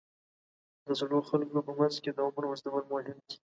د زړو خلکو په منځ کې د عمر اوږدول مهم دي.